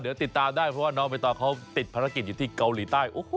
เดี๋ยวติดตามได้เพราะว่าน้องใบตองเขาติดภารกิจอยู่ที่เกาหลีใต้